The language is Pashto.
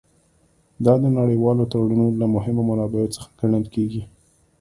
دا د نړیوالو تړونونو له مهمو منابعو څخه ګڼل کیږي